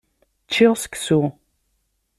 Ččiɣ seksu.